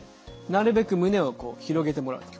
なるべく胸をこう広げてもらうと。